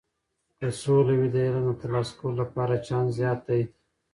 که سوله وي، د علم د ترلاسه کولو لپاره چانس زیات دی.